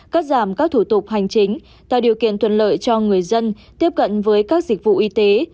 cắt giảm các thủ tục hành chính tạo điều kiện thuận lợi cho người dân tiếp cận với các dịch vụ y tế